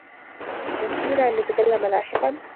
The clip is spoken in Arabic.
أيمكننا أن نتكلّمَ لاحقا؟